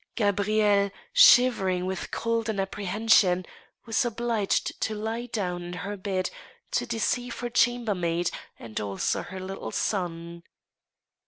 Gabrielle, shivering with cold and apprehension, was obliged to lie down in her bed to deceive her chambermaid and also her little son.